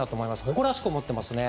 誇らしく思ってますね。